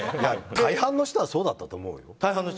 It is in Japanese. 大半の人はそうだったと思うよ。